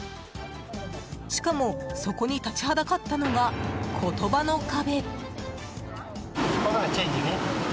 しかもそこに立ちはだかったのが言葉の壁。